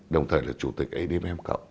đồng thời là chủ tịch adm